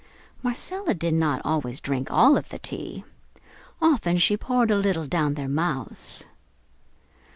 Marcella did not always drink all of the tea, often she poured a little down their mouths.